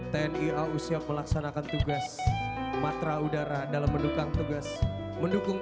tni au siap melaksanakan tugas matra udara dalam mendukung tugas mendukung